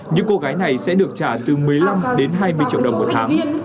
những cô gái này sẽ được trả từ một mươi năm đến hai mươi triệu đồng một tháng